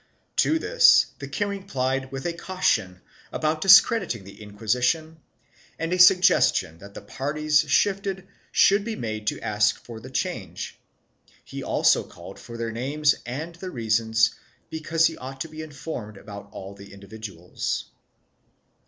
To this the king replied with a caution about discrediting the Inquisition and a suggestion that the parties shifted should be made to ask for the change ; he also called for their names and the reasons, because he ought to be informed about all the individuals.